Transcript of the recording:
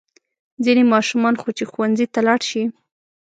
ځینې ماشومان خو چې ښوونځي ته لاړ شي.